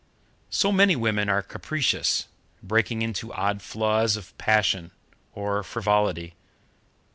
So many women are capricious, breaking into odd flaws of passion or frivolity.